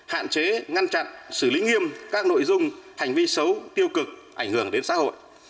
hạn chế ngăn chặn xử lý nghiêm các nội dung hành vi xấu tiêu cực ảnh hưởng đến xã hội